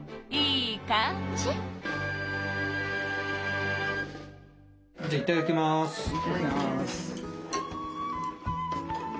いただきます！